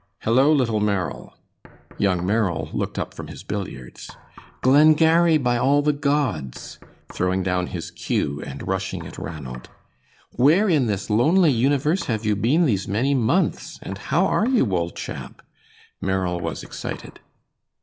"Hello, little Merrill!" Young Merrill looked up from his billiards. "Glengarry, by all the gods!" throwing down his cue, and rushing at Ranald. "Where in this lonely universe have you been these many months, and how are you, old chap?" Merrill was excited.